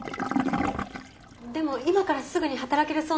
でも今からすぐに働けるそうなんです。